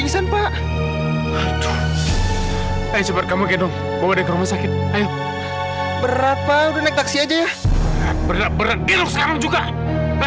sampai jumpa di video selanjutnya